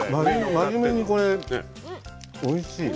真面目に、これおいしい。